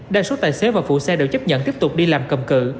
đa số tài xế và phụ xe đều chấp nhận tiếp tục đi làm cầm cự